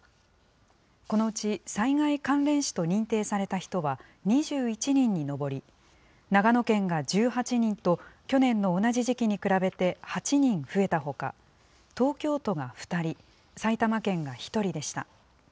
このうち災害関連死と認定された人は２１人に上り、長野県が１８人と去年の同じ時期に比べて８人増えたほか、東京都が２人、埼玉県が１人でした。